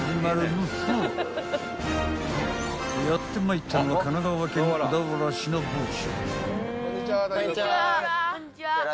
［やってまいったのは神奈川県小田原市の某所］